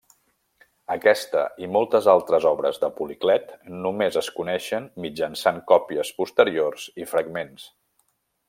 Aquesta i moltes altres obres de Policlet només es coneixen mitjançant còpies posteriors i fragments.